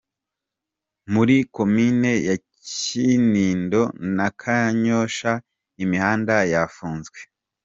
Muri Komine ya Kinindo na Kanyosha, imihanda yafunzwe.